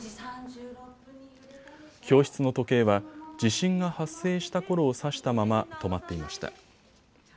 教室の時計は地震が発生したころを指したまま止まっていました。